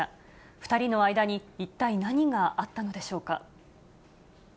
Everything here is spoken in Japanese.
２人の間に一体何があったのでしょうか。